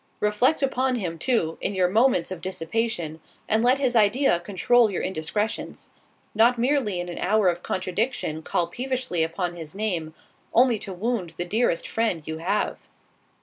Reflect upon him, too, in your moments of dissipation, and let his idea controul your indiscretions—not merely in an hour of contradiction call peevishly upon his name, only to wound the dearest friend you have."